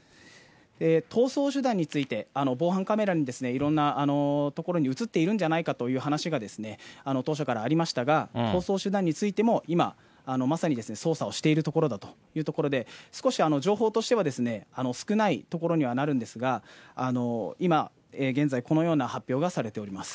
逃走手段について、防犯カメラに、いろんな所に写っているんじゃないかという話が、当初からありましたが、逃走手段についても、今、まさに捜査をしているところだというところで、少し情報としてはですね、少ないところにはなるんですが、今、現在このような発表がされております。